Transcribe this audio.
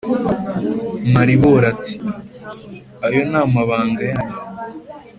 Maribori ati"ayo namabanga yanyu"